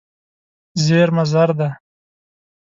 زېرمه زر ده.